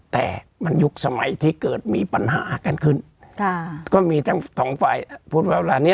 แต่มันยุคสมัยที่เกิดมีปัญหากันขึ้นก็มีทั้งสองฝ่ายพูดว่าเวลานี้